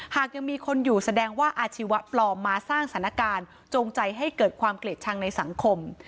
หากยังมีคนอยู่แสดงว่าอาชีวะปลอมมาสร้างสถานการณ์จงใจให้เกิดความเกลียดชังในสังคม